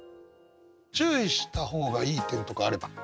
注意した方がいい点とかあれば。